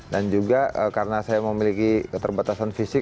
dan juga karena saya memiliki keterbatasan fisik